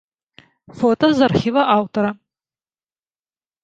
Фота з архіва аўтара.